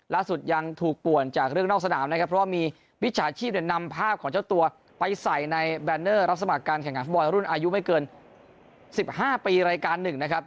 ล่าสุดยังถูกป่วนจากเรื่องนอกสนามนะครับเพราะว่ามีมิจฉาชีพนำภาพของเจ้าตัวไปใส่ในแบรนเนอร์รับสมัครการแข่งขันฟุตบอลรุ่นอายุไม่เกิน๑๕ปีรายการหนึ่งนะครับ